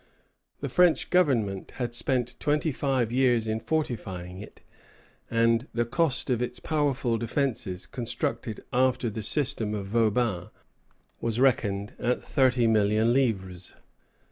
The French government had spent twenty five years in fortifying it, and the cost of its powerful defences constructed after the system of Vauban was reckoned at thirty million livres.